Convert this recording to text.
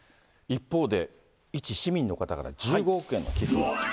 一方で、一市民の方から、１５億円の寄付があった。